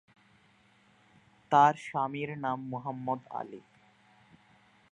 তার স্বামীর নাম মোহাম্মদ আলী।